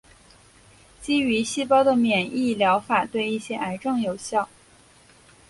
基于细胞的免疫疗法对一些癌症有效。